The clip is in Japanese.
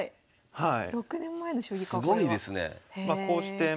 はい。